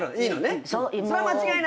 それは間違いないと。